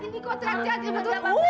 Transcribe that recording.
ini kok terjadi